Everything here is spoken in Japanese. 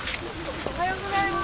おはようございます。